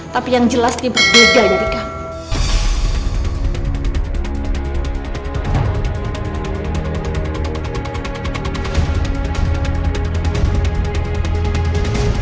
tapi yang jelas dia berbeda dari kamu